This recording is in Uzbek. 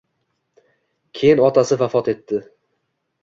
Keyin otasi vafot etdi.